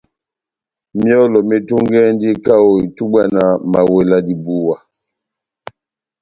Myɔ́lɔ metungɛndini kaho itubwa na mawela dibuwa.